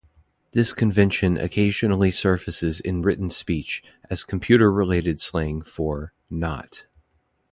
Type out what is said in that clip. This convention occasionally surfaces in written speech, as computer-related slang for "not".